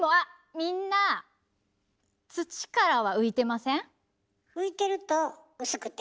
みんな土からは浮いてません？